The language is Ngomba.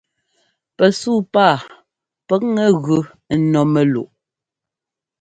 Pɛsuu páa pʉkŋɛ gʉ ɛ́nɔ́ mɛ́luʼ.